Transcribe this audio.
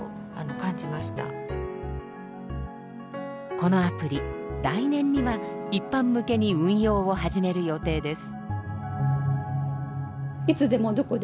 このアプリ来年には一般向けに運用を始める予定です。